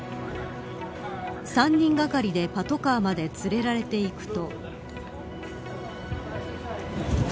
３人がかりでパトカーまで連れられていくと。